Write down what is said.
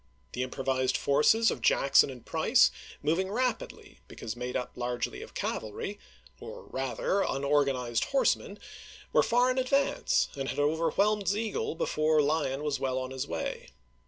The improvised forces isei. of Jackson and Price, moving rapidly, because made up largely of cavalry, or, rather, unorgan ized horsemen, were far in advance, and had over whelmed Sigel before Lyon was well on his way.